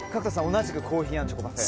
同じくコーヒー＆チョコパフェ。